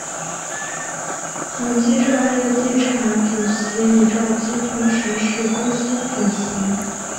恒基兆业地产主席李兆基同时是公司主席。